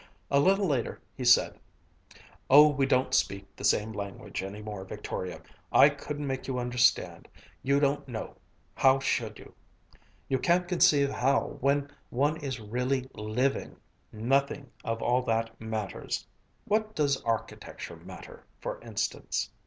A little later he said: "Oh, we don't speak the same language any more, Victoria. I couldn't make you understand you don't know how should you? You can't conceive how, when one is really living, nothing of all that matters. What does architecture matter, for instance?"